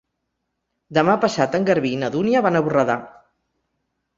Demà passat en Garbí i na Dúnia van a Borredà.